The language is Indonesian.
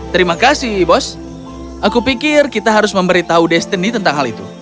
terima kasih bos aku pikir kita harus memberitahu destiny tentang hal itu